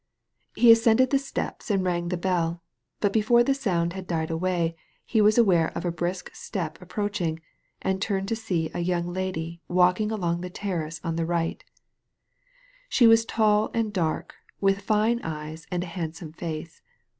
He ascended the steps and rang the bell, but before the sound had died away he was aware of a brisk step approaching, and turned to see a young lady walking along the terrace on the right She was tall and dark, with fine eyes and a hand* some face.